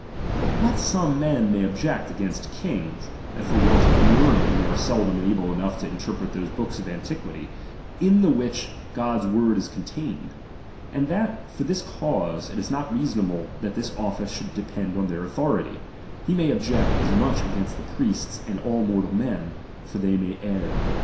But what some man may object against kings, that for want of learning they are seldom able enough to interpret tliose hooka of antiquity, in the which God's word is contained ; and that for this eause, it is not reasonable that this office should depend on their authority ; he may object as much against the priests and all mortal men ; for they may err.